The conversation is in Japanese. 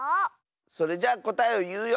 それじゃこたえをいうよ！